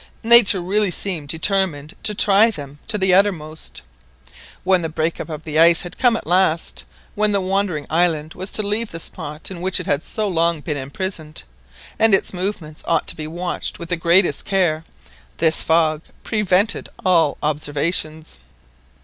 Nature really seemed determined to try them to the uttermost. When the break up of the ice had come at last, when the wandering island was to leave the spot in which it had so long been imprisoned, and its movements ought to be watched with the greatest care, this fog prevented all observations.